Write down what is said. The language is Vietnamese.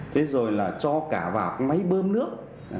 thế rồi là cho cả vào máy bơm nước